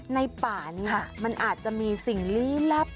ในป่านี้มันอาจจะมีสิ่งลี้ลับ